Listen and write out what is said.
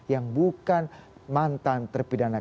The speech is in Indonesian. yang bukan mantan terpidana